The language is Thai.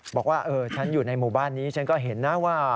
บอกว่าฉันอยู่ในหมู่บ้านนี้ฉันก็เห็นนะว่า